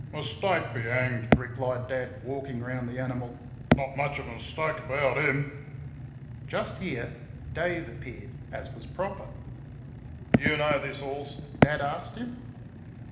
"Mistake be hanged!" replied Dad, walking round the animal. "Not much of a mistake about HIM!" Just here Dave appeared, as was proper. "Do you know this horse?" Dad asked him.